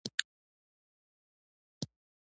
د ګټې د تولید لپاره ډېره لږه انګېزه موجوده وه